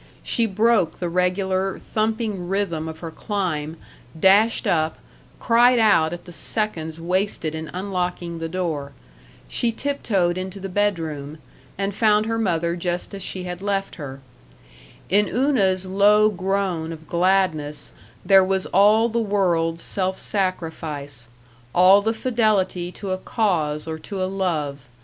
She broke the regular thumping rhythm of her climb, dashed up, cried out at the seconds wasted in unlocking the door. She tiptoed into the bedroom and found her mother just as she had left her. In Una's low groan of gladness there was all the world's self sacrifice, all the fidelity to a cause or to a love.